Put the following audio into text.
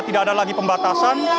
tidak ada lagi pembatasan